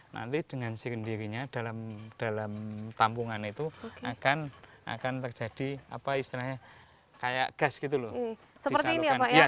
nanti dengan si kendirinya dalam tampungan itu akan terjadi apa istilahnya kayak gas gitu loh disalurkan